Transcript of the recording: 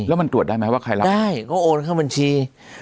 แล้วมันตรวจได้ไหมว่าใครรับได้ก็โอนเข้าบัญชี